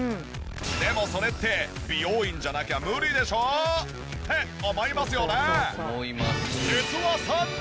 でもそれって美容院じゃなきゃ無理でしょ？って思いますよね。